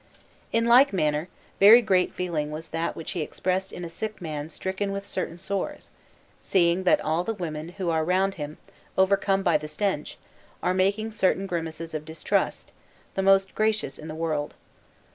In like manner, very great feeling was that which he expressed in a sick man stricken with certain sores, seeing that all the women who are round him, overcome by the stench, are making certain grimaces of disgust, the most gracious in the world.